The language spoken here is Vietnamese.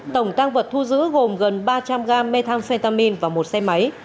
tổng tăng vật thu giữ gồm gần ba trăm linh gram methamphetamine và một xe máy